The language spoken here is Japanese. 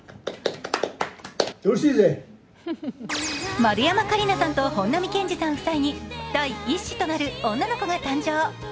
丸山桂里奈さんと本並健治さん夫妻に第１子となる女の子が誕生。